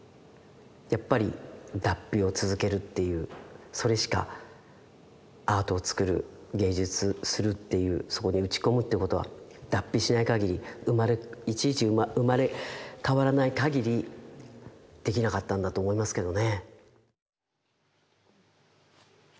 やっぱり脱皮を続けるっていうそれしかアートをつくる芸術するっていうそこに打ち込むってことは脱皮しないかぎりいちいち生まれ変わらないかぎりできなかったんだと思いますけどね。